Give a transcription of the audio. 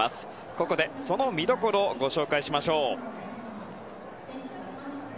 ここで、その見どころをご紹介しましょう。